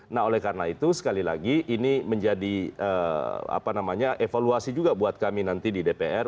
nah oleh karena itu sekali lagi ini menjadi evaluasi juga buat kami nanti di dpr